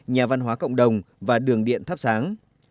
nhà văn hóa cộng đồng và đường điện thắp sáng